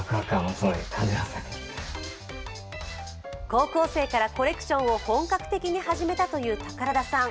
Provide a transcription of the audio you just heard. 高校生からコレクションを本格的に始めたという宝田さん。